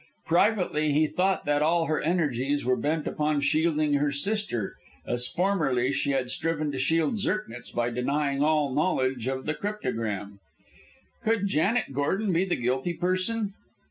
Privately he thought that all her energies were bent upon shielding her sister, as formerly she had striven to shield Zirknitz by denying all knowledge of the cryptogram. Could Janet Gordon be the guilty person?